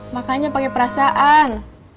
makanya pake perasaan